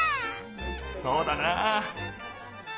そうだなあ。